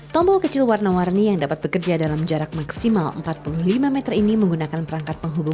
tombol kecil warna warni yang dapat bekerja dalam jarak maksimal empat puluh lima meter ini menggunakan perangkat penghubung